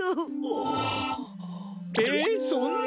ええっそんな！